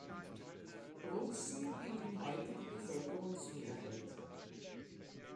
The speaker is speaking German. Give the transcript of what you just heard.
Russen bilden heute die Bevölkerungsmehrheit.